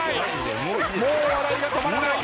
もう笑いが止まらない。